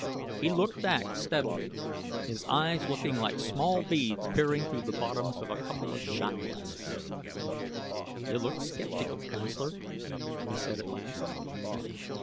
He looked back steadily, his eyes looking like small beads peering through the bottoms of a couple of shot glasses. "You look skeptical, counselor," he said at last.